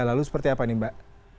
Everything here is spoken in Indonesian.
lalu seperti apa nih mbak